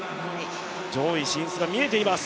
上位進出が見えています。